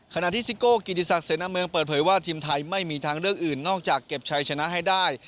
ซิโก้กิติศักดิ์เสนอเมืองเปิดเผยว่าทีมไทยไม่มีทางเลือกอื่นนอกจากเก็บชัยชนะให้ได้